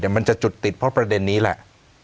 มันจะจุดติดเพราะประเด็นนี้แหละ